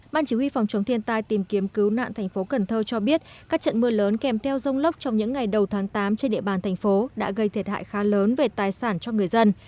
ban chỉ huy phòng chống thiên tai tìm kiếm cứu nạn thành phố cần thơ cho biết các trận mưa lớn kèm theo rông lốc trong những ngày đầu tháng tám trên địa bàn thành phố đã gây thiệt hại khá lớn về tài sản cho người dân